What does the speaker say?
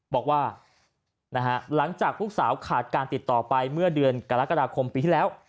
บอกว่าหลังจากลูกสาวขาดการติดต่อไปเมื่อเดือนกรกฎาคมปีที่แล้ว